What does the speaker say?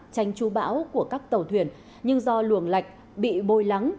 tranh chú bão của các tàu thuyền nhưng do luồng lạch bị bôi lắng